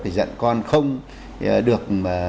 thì dẫn con không được